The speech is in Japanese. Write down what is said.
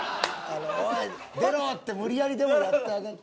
「おい出ろ」って無理やりでもやってあげて。